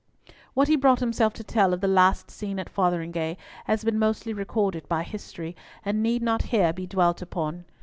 What he brought himself to tell of the last scene at Fotheringhay has been mostly recorded by history, and need not here be dwelt upon.